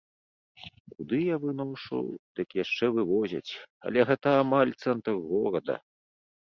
Куды я выношу, дык яшчэ вывозяць, але гэта амаль цэнтр горада.